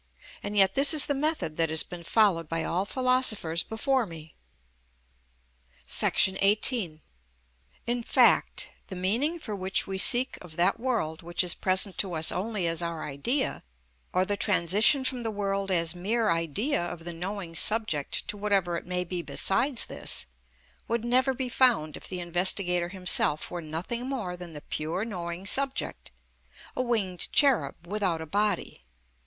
And yet this is the method that has been followed by all philosophers before me. § 18. In fact, the meaning for which we seek of that world which is present to us only as our idea, or the transition from the world as mere idea of the knowing subject to whatever it may be besides this, would never be found if the investigator himself were nothing more than the pure knowing subject (a winged cherub without a body).